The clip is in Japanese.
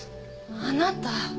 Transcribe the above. あなた。